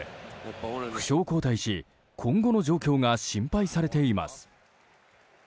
負傷交代し、今後の状況が心配されています。